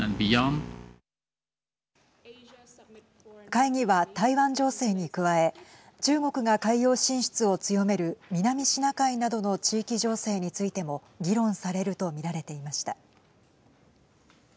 会議は台湾情勢に加え中国が海洋進出を強める南シナ海などの地域情勢についても議論されると見られていました。